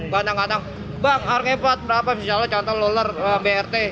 kadang kadang bang arkevat berapa misalnya contoh lolar brt